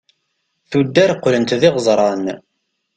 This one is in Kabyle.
tuddar qlent d iɣeẓran